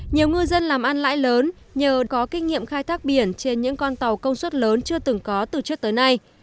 nhiều ngư dân làm ăn lãi lớn nhờ có kinh nghiệm khai thác biển trên những con tàu công suất lớn chưa từng có từ trước tới nay